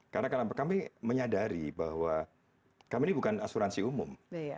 karena kami menyadari bahwa kami ini bukan asuransi umum